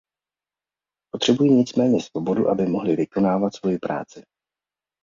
Potřebují nicméně svobodu, aby mohli vykonávat svoji práci.